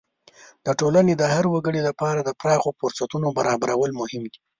د ټولنې د هر وګړي لپاره د پراخو فرصتونو برابرول مهم دي.